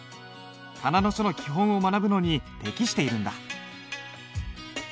仮名の書の基本を学ぶのに適しているんだ。